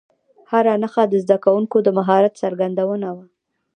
هره نښه د زده کوونکو د مهارت څرګندونه وه.